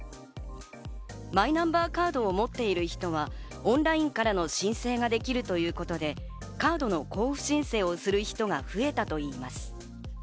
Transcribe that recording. マイナンバーカードを持っている人はオンラインからの申請ができるということで、カードの交付申請をする人が増えたといいます。